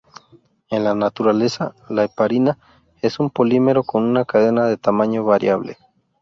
En la naturaleza, la heparina es un polímero con una cadena de tamaño variable.